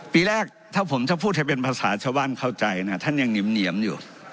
ปีแรกถ้าผมถ้าพูดให้เป็นภาษาชาวบ้านเข้าใจนะท่านยังเหนียมอยู่